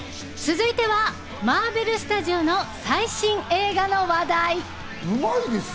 続いては、マーベルスタジオの最新映画の話題！